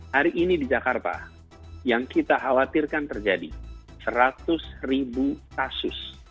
hari ini di jakarta yang kita khawatirkan terjadi seratus ribu kasus